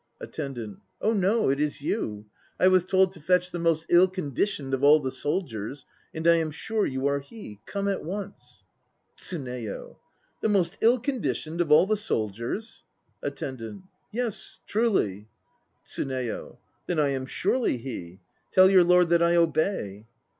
ATTENDANT. Oh no, it is you. I was told to fetch the most ill conditioned of all the soldiers; and I am sure you are he. Come at once. TSUNEYO. The most ill conditioned of all the soldiers? ATTENDANT. Yes, truly. TSUNEYO. Then I am surely he. Tell your lord that I obey.